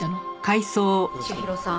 千尋さん